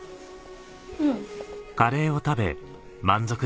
うん。